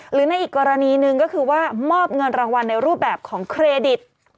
หรือในอีกกรณีหนึ่งก็คือว่ามอบเงินรางวัลในรูปแบบของเครดิต